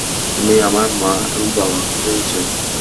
তুমি আমার মা এবং বাবা হয়েছ।